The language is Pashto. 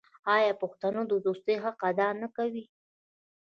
آیا پښتون د دوستۍ حق ادا نه کوي؟